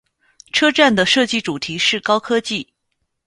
车站的设计主题是高科技。